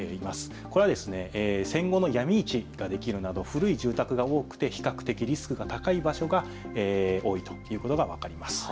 これは戦後、闇市ができるなど古い住宅が多く比較的リスクが高い場所が多いということが分かります。